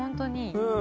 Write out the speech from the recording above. うん。